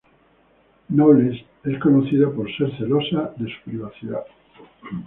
Knowles es conocida por ser celosa de su privacidad.